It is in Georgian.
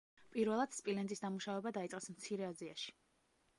პირველად, სპილენძის დამუშვება დაიწყეს მცირე აზიაში.